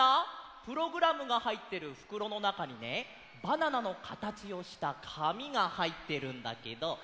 プログラムがはいってるふくろのなかにねバナナのかたちをしたかみがはいってるんだけど。